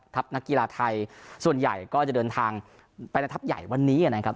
นักกีฬาไทยส่วนใหญ่ก็จะเดินทางไปในทัพใหญ่วันนี้นะครับ